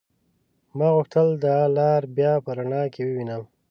ما غوښتل دا لار بيا په رڼا کې ووينم.